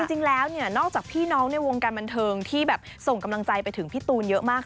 จริงแล้วเนี่ยนอกจากพี่น้องในวงการบันเทิงที่แบบส่งกำลังใจไปถึงพี่ตูนเยอะมาก